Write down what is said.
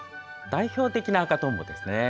代表的な赤トンボですね。